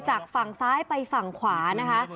จากฝั่งซ้ายไปฝั่งขวานะคะ